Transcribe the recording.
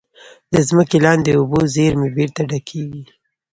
د ځمکې لاندې اوبو زیرمې بېرته ډکېږي.